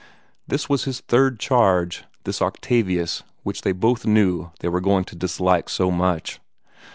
This was his third charge this Octavius which they both knew they were going to dislike so much.